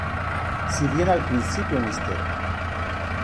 Si bien al principio Mr.